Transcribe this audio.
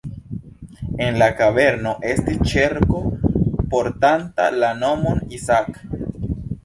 En la kaverno estis ĉerko portanta la nomon "Isaak".